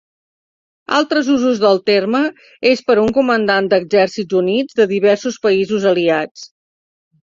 Altres usos del terme és per a un comandant d'exèrcits units de diversos països aliats.